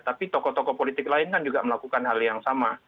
tapi tokoh tokoh politik lain kan juga melakukan hal yang sama